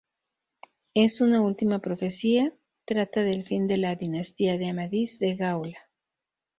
En una última profecía trata del fin de la dinastía de Amadís de Gaula.